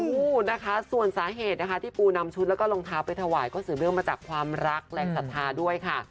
นะคะส่วนสาเหตุนะคะที่ปูนำชุดแล้วก็รองเท้าไปถวายก็สืบเนื่องมาจากความรักแรงศรัทธาด้วยค่ะ